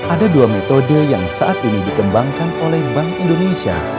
ada dua metode yang saat ini dikembangkan oleh bank indonesia